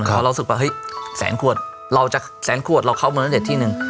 แล้วเรารู้สึกว่าเฮ้ยแสนขวดเราจะแสนขวดเราเข้าเมินเท็จที่หนึ่ง